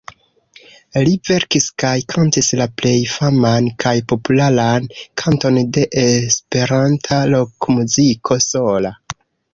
Li verkis kaj kantis la plej faman kaj popularan kanton de esperanta rokmuziko: 'Sola'.